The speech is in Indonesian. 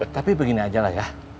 tapi begini aja lah ya